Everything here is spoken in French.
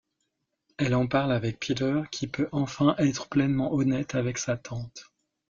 Elle en parle avec Peter qui peut enfin être pleinement honnête avec sa tante.